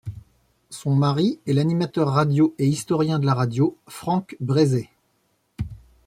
Son mari est l'animateur radio et historien de la radio, Frank Bresee.